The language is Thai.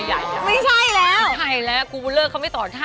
อย่างไรนะ